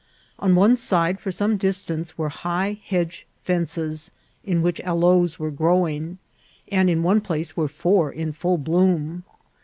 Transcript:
On one side, for some distance, were high hedge fences,' in which aloes were growing, and in one place were four in full bloom.